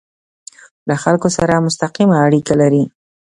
له خلکو سره مستقیمه اړیکه لري.